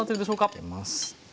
開けます。